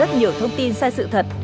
rất nhiều thông tin sai sự thật